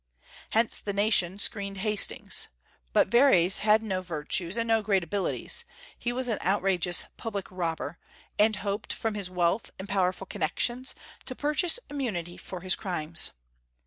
Hence the nation screened Hastings. But Verres had no virtues and no great abilities; he was an outrageous public robber, and hoped, from his wealth and powerful connections, to purchase immunity for his crimes.